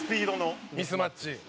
澤部：ミスマッチ。